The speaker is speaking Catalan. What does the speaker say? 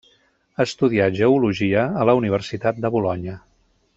Estudià geologia a la Universitat de Bolonya.